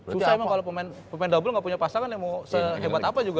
susah emang kalo pemain dobel gak punya pasangan yang mau sehebat apa juga